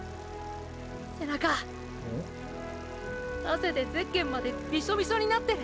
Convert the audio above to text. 汗でゼッケンまでビショビショになってる。